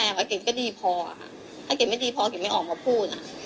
พี่ลองคิดดูสิที่พี่ไปลงกันที่ทุกคนพูด